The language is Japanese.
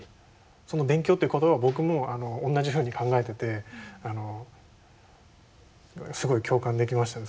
その勉強っていう言葉を僕もおんなじふうに考えててすごい共感できましたね。